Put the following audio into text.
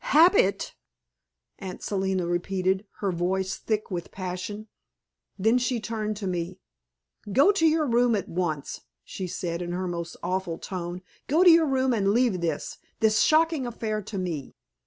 "Habit!" Aunt Selina repeated, her voice thick with passion. Then she turned to me. "Go to your room at once!" she said in her most awful tone. "Go to your room and leave this this shocking affair to me."